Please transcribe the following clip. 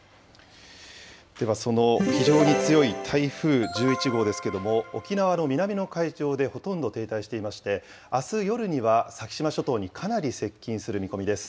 ではその非常に強い台風１１号ですけれども、沖縄の南の海上でほとんど停滞していまして、あす夜には先島諸島にかなり接近する見込みです。